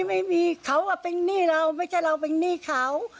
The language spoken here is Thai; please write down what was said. ไม่มีเขาเป็นหนี้เราไม่ใช่เราเป็นหนี้เขา